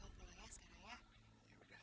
bapak pulang ya sekarang ya